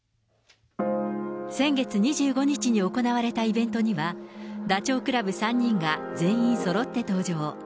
先月２５日に行われたイベントには、ダチョウ倶楽部３人が全員そろって登場。